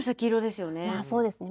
まあそうですね。